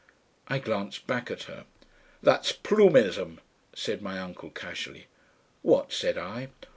I glanced back at her. "THAT'S ploombism," said my uncle casually. "What?" said I.